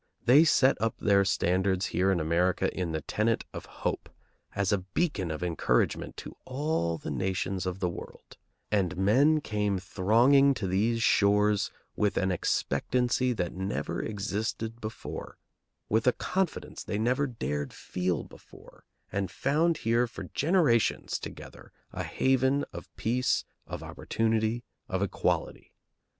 They set up their standards here in America in the tenet of hope, as a beacon of encouragement to all the nations of the world; and men came thronging to these shores with an expectancy that never existed before, with a confidence they never dared feel before, and found here for generations together a haven of peace, of opportunity, of equality.